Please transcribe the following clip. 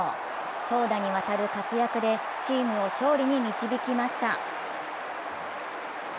投打にわたる活躍でチームを勝利に導きました。